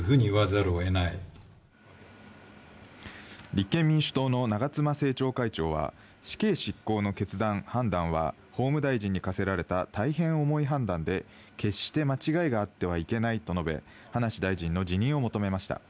立憲民主党の長妻政調会長は、死刑執行の決断、判断は法務大臣に課せられた大変重い判断で、決して、間違いがあってはいけないと述べ、葉梨大臣の辞任を求めました。